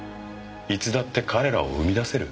いつだって彼らを生み出せる。